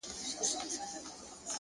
زه د ښار ښايستې لكه كمر تر ملا تړلى يم ـ